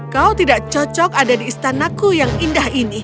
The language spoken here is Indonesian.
kau tidak cocok ada di istanaku yang indah ini